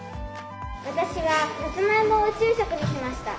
私はさつまいもを宇宙食にしました。